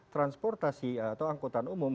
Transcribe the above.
transportasi atau angkutan umum